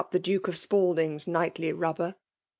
the Duke of Spalding^s nightly rnbb^r^